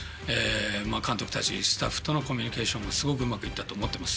監督たちスタッフとのコミュニケーションもすごくうまく行ったと思ってます。